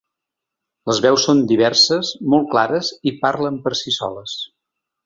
Les veus són diverses, molt clares i parlen per si soles.